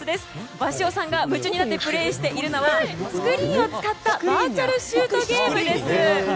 鷲尾さんが夢中になってプレーしているのはスクリーンを使ったバーチャル・シュートゲームです。